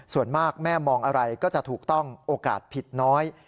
ส่วนมากแม่มองอะไรก็จะถูกต้องโอกาสผิดน้อย